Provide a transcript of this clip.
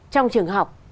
trong trường học